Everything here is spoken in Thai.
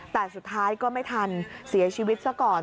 แต่สุดท้ายก็ไม่ทันเสียชีวิตซะก่อน